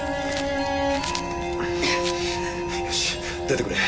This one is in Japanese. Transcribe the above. よし出てくれ。